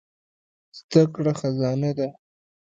زده کړه خزانه ده.